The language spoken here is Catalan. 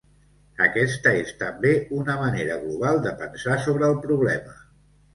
Aquesta és també una manera global de pensar sobre el problema.